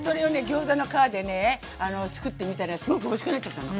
ギョーザの皮でね作ってみたらすごくおいしくなっちゃったの。